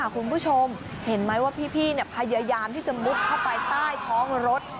คุณผู้ชมเห็นไหมว่าพี่พยายามที่จะมุดเข้าไปใต้ท้องรถ